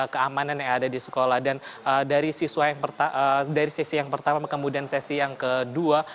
keamanan yang ada di sekolah dan dari sesi yang pertama kemudian sesi yang kedua